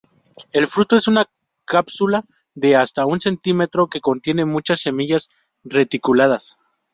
El fruto es una cápsula de hasta un centímetro que contiene muchas semillas reticuladas.